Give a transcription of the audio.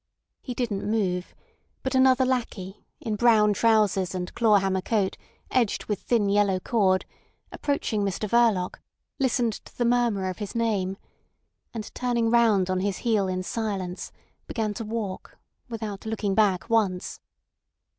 He didn't move; but another lackey, in brown trousers and claw hammer coat edged with thin yellow cord, approaching Mr Verloc listened to the murmur of his name, and turning round on his heel in silence, began to walk, without looking back once.